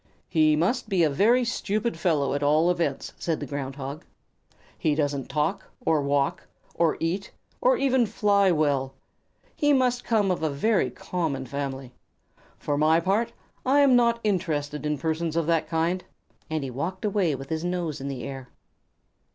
"He must be a very stupid fellow, at all events," said the Ground Hog. "He doesn't talk, or walk, or eat, or even fly well. He must come of a very common family. For my part, I am not interested in persons of that kind." And he walked away with his nose in the air.